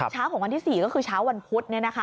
เช้าของวันที่๔ก็คือเช้าวันพุธ